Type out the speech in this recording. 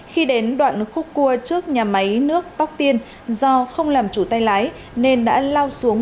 khi đến đoạn khúc cua trước nhà máy nước tóc tiên do không làm chủ tay lái nên đã lao xuống